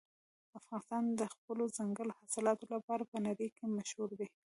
افغانستان د خپلو دځنګل حاصلاتو لپاره په نړۍ کې مشهور دی.